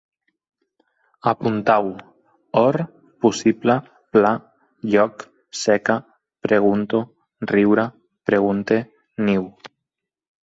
Apuntau: or, possible, pla, lloc, seca, pregunto, riure, pregunte, niu